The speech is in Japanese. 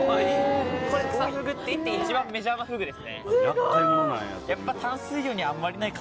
これクサフグっていって一番メジャーなフグですね。